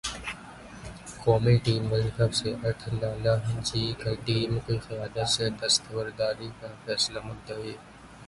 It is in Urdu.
قومی ٹیم ورلڈ کپ سے اٹ لالہ جی کا ٹیم کی قیادت سے دستبرداری کا فیصلہ ملتوی